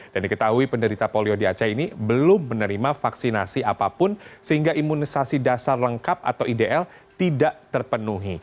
dan diketahui penderita polio di aceh ini belum menerima vaksinasi apapun sehingga imunisasi dasar lengkap atau idl tidak terpenuhi